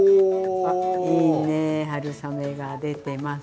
あいいね春雨が出てます。